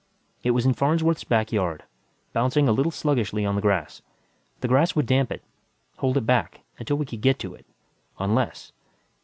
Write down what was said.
It was in Farnsworth's back yard, bouncing a little sluggishly on the grass. The grass would damp it, hold it back, until we could get to it. Unless....